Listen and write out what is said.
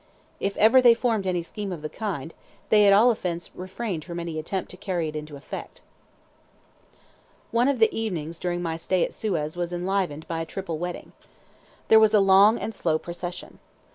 If ever they formed any scheme of the kind, they at all events refrained from any attempt to carry it into effect. One of the evenings during my stay at Suez was enlivened by a triple wedding. There was a long and slow procession.